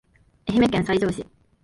愛媛県西条市